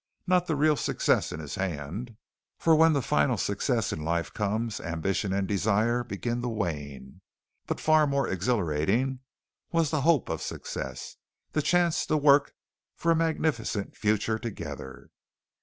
Not the real success in his hand, for when the final success in life comes, ambition and desire begin to wane. But far more exhilarating was the hope of success, the chance to work for a magnificent future together.